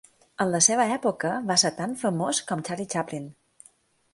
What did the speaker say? En la seva època va ser tan famós com Charlie Chaplin.